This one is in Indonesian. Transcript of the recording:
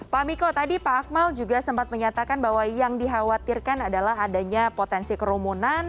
pak miko tadi pak akmal juga sempat menyatakan bahwa yang dikhawatirkan adalah adanya potensi kerumunan